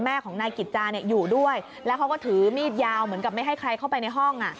แม่ของนายกิจจาเนี่ยอยู่ด้วยแล้วเขาก็ถือมีดยาวเหมือนกับไม่ให้ใครเข้าไปในห้อง